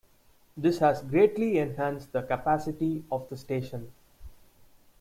This has greatly enhanced the capacity of the station.